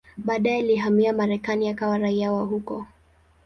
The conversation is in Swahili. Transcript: Baadaye alihamia Marekani akawa raia wa huko.